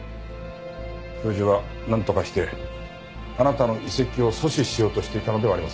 教授はなんとかしてあなたの移籍を阻止しようとしていたのではありませんか？